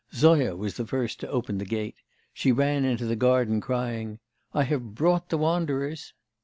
Zoya was the first to open the gate; she ran into the garden, crying: 'I have brought the wanderers!